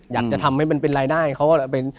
อยากจะทำให้มันเป็นรายได้เขาก็เป็น